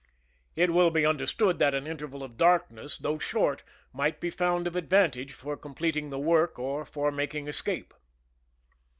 It will be understood that an interval of darkness, though short, might be found of advantage for completing the work or for mak ing escape.